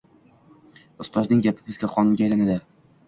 Ustozning gapi bizga qonunga aylanadi.